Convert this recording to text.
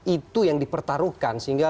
itu yang dipertaruhkan